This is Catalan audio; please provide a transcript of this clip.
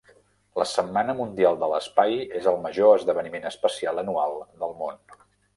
La Setmana Mundial de l'Espai és el major esdeveniment espacial anual del món.